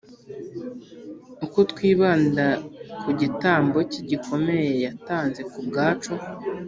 Uko twibanda ku gitambo cye gikomeye yatanze kubwacu